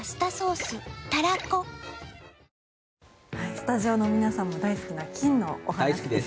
スタジオの皆さんも大好きな金のお話です。